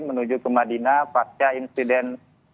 menuju ke madinah pasca insiden